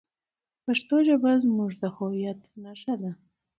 پښتو ژبه زموږ د هویت نښه ده.